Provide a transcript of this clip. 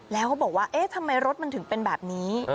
แล้วเขาบอกว่าเอ๊ะทำไมรถมันถึงเป็นแบบนี้